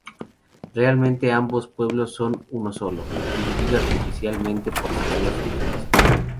Realmente ambos pueblos son uno solo, dividido artificialmente por la raya fronteriza.